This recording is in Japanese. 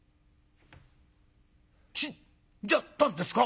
「死んじゃったんですか？」。